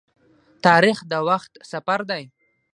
تاریخ د وخت سفر دی.